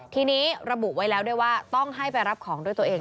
ทีนี้ระบุไว้แล้วด้วยว่าต้องให้ไปรับของด้วยตัวเอง